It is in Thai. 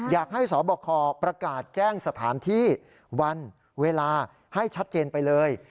อยากให้สบคประกาศแจ้งสถานที่วันเวลาให้ชัดเจนไปเลย